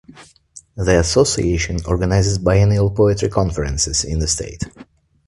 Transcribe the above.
The association organizes biannual poetry conferences in the state.